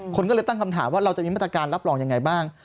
คนก็เลยตั้งคำถามว่าเราจะมีมาตรการรับรองยังไงบ้าง